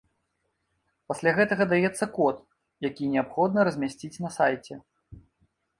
Пасля гэтага даецца код, які неабходна размясціць на сайце.